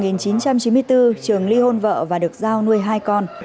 năm một nghìn chín trăm chín mươi bốn trường ly hôn vợ và được giao nuôi hai con